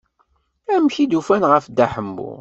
Amek i d-ufan ɣef Dda Ḥemmu?